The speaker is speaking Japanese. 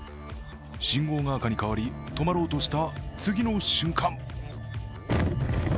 信号が赤に変わり止まろうとした次の瞬間